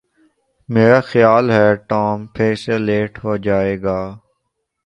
میرا خیال ہے ٹام پھر سے لیٹ ہو جائے گا